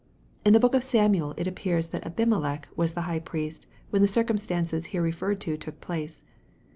In the book of Samuel it appears that Abimelech was the High Priest, when the circumstance here referred to took place.